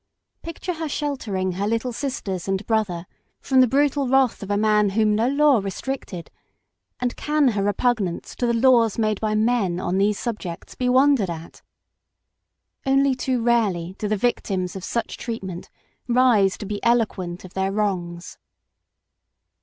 Picture her sheltering her little sisters and brother from the brutal wrath of a man whom no law restricted, and can her repugnance to the laws made by men on these subjects be wondered at ? Only too rarely do the victims of such treatment rise to be eloquent of their wrongs.